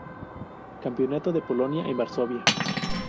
Campeonato de Polonia en Varsovia.